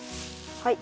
はい。